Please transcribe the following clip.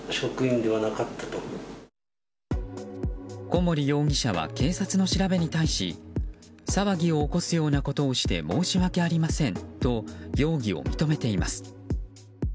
小守容疑者は警察の調べに対し騒ぎを起こすようなことをして申し訳ありませんと容疑を認めています。